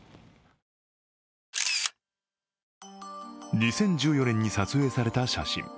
２０１４年に撮影された写真。